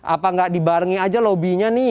apa nggak dibarengi aja lobbynya nih